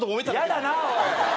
嫌だなおい！